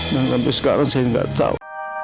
dan sampai sekarang saya enggak tahu